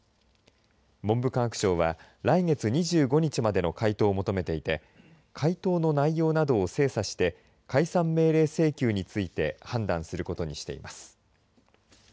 文部科学省は来月２５日までの回答を求めていて回答の内容などを精査して解散命令請求について判断することにしています。